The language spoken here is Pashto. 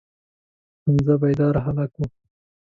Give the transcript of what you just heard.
حمزه بیداره هلک و.